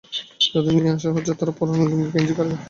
যাদের নিয়ে আসা হচ্ছে, তাদের পরনে লুঙ্গি, গেঞ্জি অথবা খালি গা।